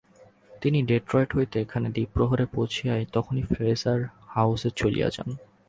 তিনি ডেট্রয়েট হইতে এখানে দ্বিপ্রহরে পৌঁছিয়া তখনই ফ্রেজার হাউসে চলিয়া যান।